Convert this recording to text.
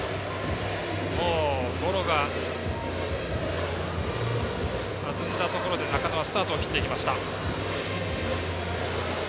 ゴロが弾んだところで中野はスタートを切っていきました。